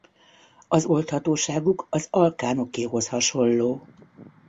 Az oldhatóságuk az alkánokéhoz hasonló.